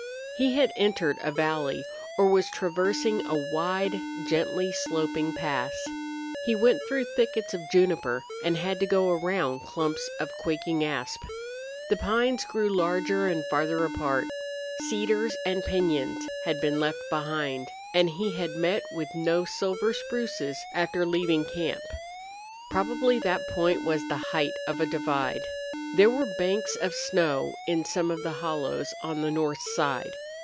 He had entered a valley or was traversing a wide, gently sloping pass. He went through thickets of juniper, and had to go around clumps of quaking asp. The pines grew larger and farther apart. Cedars and piñons had been left behind, and he had met with no silver spruces after leaving camp. Probably that point was the height of a divide. There were banks of snow in some of the hollows on the north side.